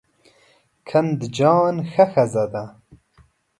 قندجان ښه ښځه ده.